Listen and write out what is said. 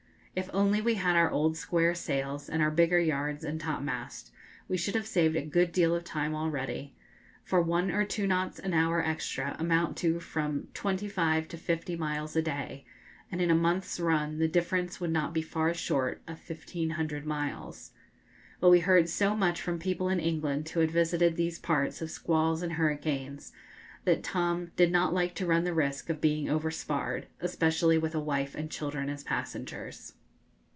If only we had our old square sails, and our bigger yards and topmast, we should have saved a good deal of time already; for one or two knots an hour extra amount to from 25 to 50 miles a day, and in a month's run the difference would not be far short of 1,500 miles. But we heard so much from people in England, who had visited these parts, of squalls and hurricanes, that Tom did not like to run the risk of being over sparred, especially with a wife and children as passengers.